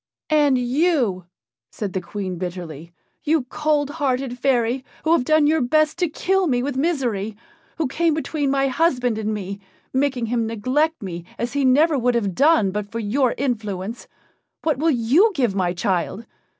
"And you," said the Queen bitterly, "you, cold hearted fairy, who have done your best to kill me with misery, who came between my husband and me, making him neglect me as he never would have done but for your influence what will you give my child?